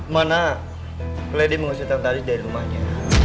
mana lady mengusir tante andis dari rumahnya